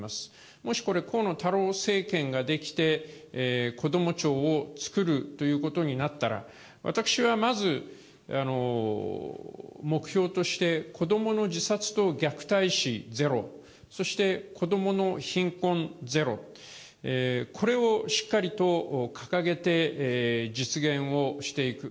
もしこれ、河野太郎政権が出来て、こども庁を作るということになったら、私はまず、目標として、子どもの自殺と虐待死ゼロ、そして、子どもの貧困ゼロ、これをしっかりと掲げて実現をしていく。